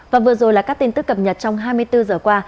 và vừa rồi là các tin tức cập nhật trong hai mươi bốn giờ qua